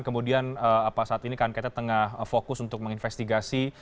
kemudian saat ini kan kita tengah fokus untuk menginvestigasi